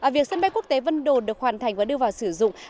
việc sân bay quốc tế vân đồn được hoàn thành và đưa vào sử dụng